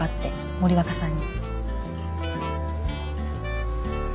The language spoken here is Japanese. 森若さん？